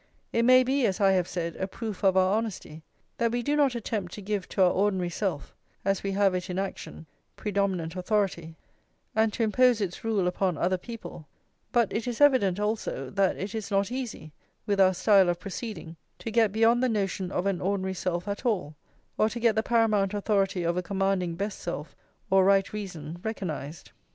It may be, as I have said, a proof of our honesty that we do not attempt to give to our ordinary self, as we have it in action, predominant authority, and to impose its rule upon other people; but it is evident, also, that it is not easy, with our style of proceeding, to get beyond the notion of an ordinary self at all, or to get the paramount authority of a commanding best self, or right reason, recognised.